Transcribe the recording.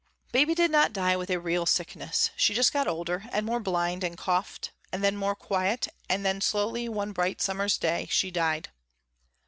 Baby did not die with a real sickness. She just got older and more blind and coughed and then more quiet, and then slowly one bright summer's day she died.